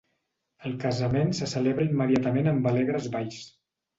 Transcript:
El casament se celebra immediatament amb alegres balls.